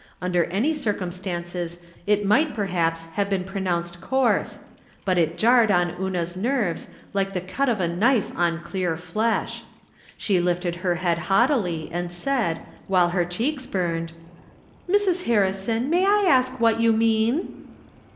Under any circumstances it might, perhaps, have been pronounced coarse ; but it jarred on Una's nerves lite the cut of a knife on clear flesh. She lifted her head haught ily, and said, while her cheeks burned :" Mrs. Harrison, may I ask what you mean?